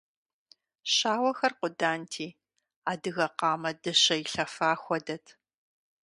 Щауэхэр къуданти, адыгэ къамэ дыщэ илъэфа хуэдэт.